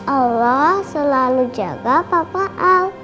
allah selalu jaga bapak a